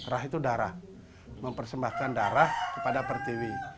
rah itu darah mempersembahkan darah kepada pertiwi